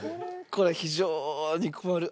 これ非常に困る。